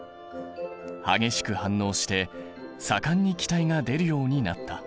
激しく反応して盛んに気体が出るようになった。